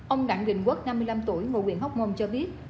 ông đặng gình quốc năm mươi năm tuổi ngôi quyền hóc môn cho biết